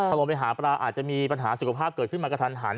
ถ้าลงไปหาปลาอาจจะมีปัญหาสุขภาพเกิดขึ้นมากระทันหัน